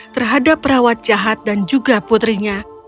terhadap perawat jahat dan juga putrinya